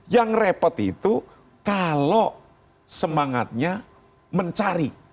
yang repot itu kalau semangatnya mencari